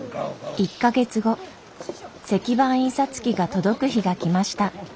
１か月後石版印刷機が届く日が来ました。